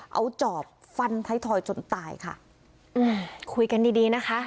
เอาจอบฟันไทยทอยจนตายค่ะอืมคุยกันดีดีนะคะ